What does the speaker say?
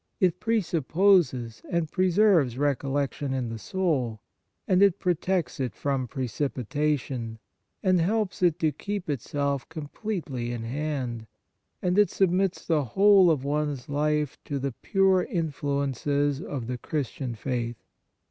It presupposes and preserves recol lection in the soul, and it protects it from precipitation, and helps it to keep itself completely in hand, and it submits the whole of one's life to the pure influences of the Christian faith.